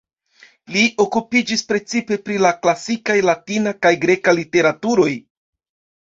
Li okupiĝis precipe pri la klasikaj latina kaj greka literaturoj.